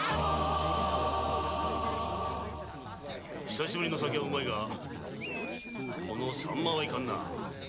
久しぶりの酒はうまいがサンマだけはいかんな。